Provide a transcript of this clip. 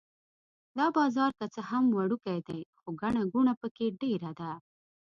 دا بازار که څه هم وړوکی دی خو ګڼه ګوڼه په کې ډېره ده.